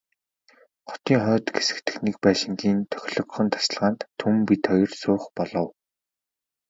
Хотын хойд хэсэг дэх нэг байшингийн тохилогхон тасалгаанд Түмэн бид хоёр суух болов.